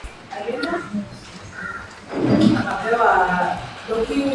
wa hewa unaweza kutoka moja kwa moja